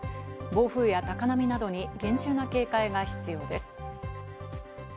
暴風や高波などに厳重な警戒が必要です。